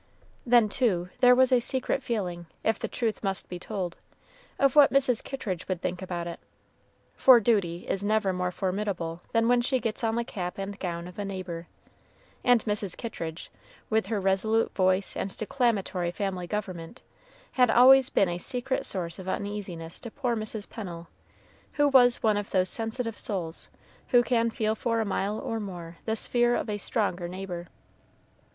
Then, too, there was a secret feeling, if the truth must be told, of what Mrs. Kittridge would think about it; for duty is never more formidable than when she gets on the cap and gown of a neighbor; and Mrs. Kittridge, with her resolute voice and declamatory family government, had always been a secret source of uneasiness to poor Mrs. Pennel, who was one of those sensitive souls who can feel for a mile or more the sphere of a stronger neighbor.